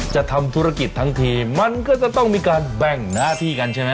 จะทำธุรกิจทั้งทีมันก็จะต้องมีการแบ่งหน้าที่กันใช่ไหม